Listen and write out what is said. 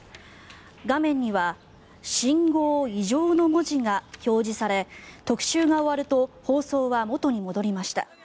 画面には「信号異常」の文字が表示され特集が終わると放送は元に戻りました。